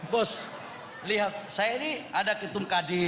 bos lihat saya ini ada ketum kadin